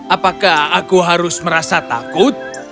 apakah aku harus merasa takut